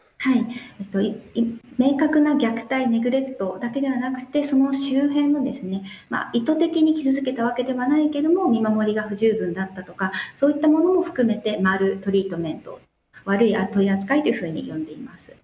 明確な虐待ネグレクトだけではなくてその周辺の意図的に傷つけたわけではないけども見守りが不十分だったとかそういったものを含めて「マルトリートメント」悪い取り扱いというふうに呼んでいます。